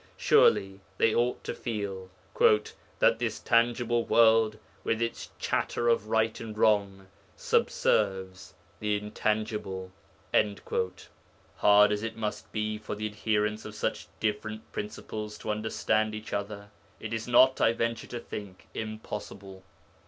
Surely they ought to feel 'that this tangible world, with its chatter of right and wrong, subserves the intangible.' Hard as it must be for the adherents of such different principles to understand each other, it is not, I venture to think, impossible.